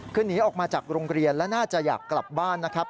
คือหนีออกมาจากโรงเรียนและน่าจะอยากกลับบ้านนะครับ